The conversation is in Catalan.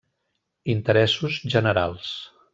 Interessos generals.